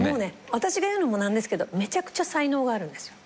私が言うのもなんですけどめちゃくちゃ才能があるんですよ。